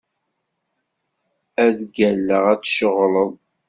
Ad d-ggalleɣ ar tceɣleḍ.